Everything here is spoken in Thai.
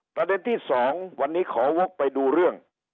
ประเด็นที่๒วันนี้ขอวกไปดูเรื่อง